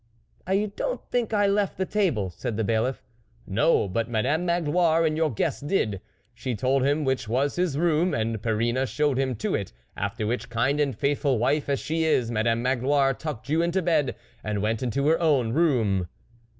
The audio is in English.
" I don't think I left the table," said the Bailiff. " No, but Mndame Magloire and your guest did. She told him which was his room, and Perrine showed him to it ; after which, kind and faithful wife as she is, Madame Magloire tucked you into bed, and went into her own room."